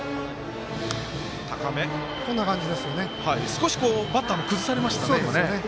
少しバッターが崩されましたかね。